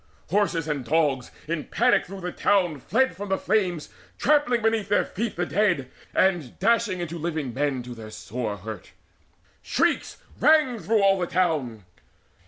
Horses and dogs in panic through the town Fled from the flames, trampling beneath their feet The dead, and dashing into living men To their sore hurt. Shrieks rang through all the town.